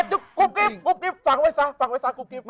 เออคุบกริปคุบกริปฝากไว้สาวฝากไว้สาวคุบกริป